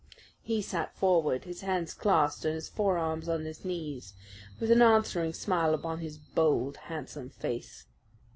He sat forward, his hands clasped and his forearms on his knees, with an answering smile upon his bold, handsome face.